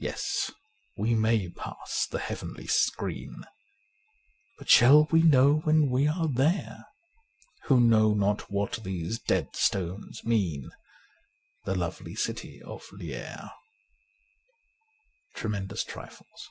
Yes ; we may pass the heavenly screen, But shall we know when we are there ? Who know not what these dead stones mean, The lovely city of Lierre. ' Tremendous Trifles.